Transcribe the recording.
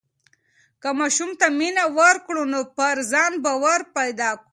که ماشوم ته مینه ورکړو نو پر ځان باور پیدا کوي.